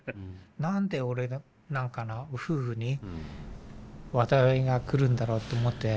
何で俺なんかの夫婦に災いが来るんだろうと思って。